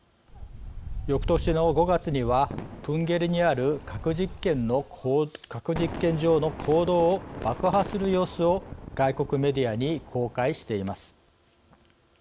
よくとしの５月にはプンゲリにある核実験場の坑道を爆破する様子を外国メディアに公開しています。